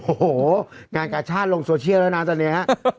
โอ้โฮงานการ์ชาร์ดลงโซเชียลแล้วนะตอนนี้